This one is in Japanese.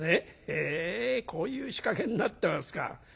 へえこういう仕掛けになってますか。